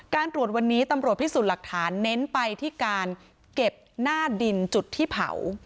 การตรวจวันนี้ตำรวจพิสูจน์หลักฐานเน้นไปที่การเก็บหน้าดินจุดที่เผา